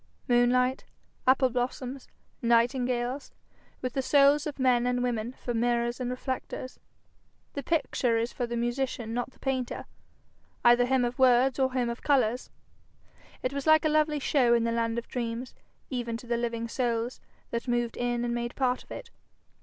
Moonlight, apple blossoms, nightingales, with the souls of men and women for mirrors and reflectors! The picture is for the musician not the painter, either him of words or him of colours. It was like a lovely show in the land of dreams, even to the living souls that moved in and made part of it.